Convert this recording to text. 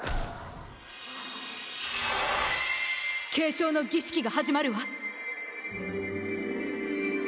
継承の儀式が始まるわ！